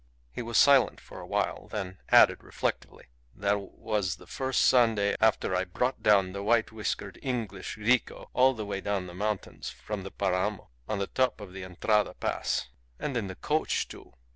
He was silent for a while, then added reflectively, "That was the first Sunday after I brought down the white whiskered English rico all the way down the mountains from the Paramo on the top of the Entrada Pass and in the coach, too!